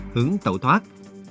hướng tẩu thoát